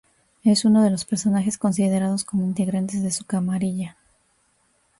Es uno de los personajes considerados como integrantes de su camarilla.